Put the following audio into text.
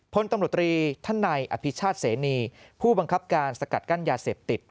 พลตำรวจตรีท่านนายอภิชาติเสนีผู้บังคับการสกัดกั้นยาเสพติด